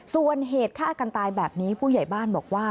ส่วนเหตุฆ่ากันตายแบบนี้ผู้ใหญ่บ้านบอกว่า